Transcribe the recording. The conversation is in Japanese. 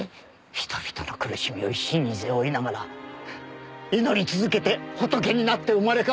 人々の苦しみを一身に背負いながら祈り続けて仏になって生まれ変わる。